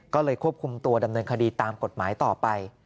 ก็เลยควบคุมตัวดำเนินคดีตามกฎหมายต่อไป